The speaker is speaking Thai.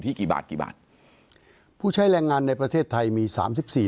กี่บาทกี่บาทผู้ใช้แรงงานในประเทศไทยมีสามสิบสี่